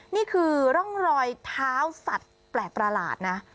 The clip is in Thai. นี่คือร่องรอยเท้าสัตว์แปลกประหลาดนะ